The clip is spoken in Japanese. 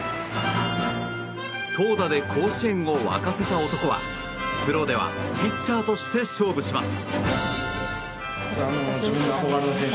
投打で甲子園を沸かせた男はプロではピッチャーとして勝負します。